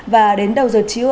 và đến đầu giờ chiều